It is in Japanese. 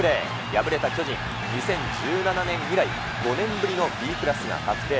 敗れた巨人、２０１７年以来、５年ぶりのＢクラスが確定。